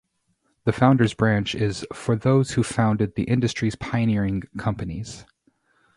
The Founders Branch is "for those who founded the industry's pioneering companies".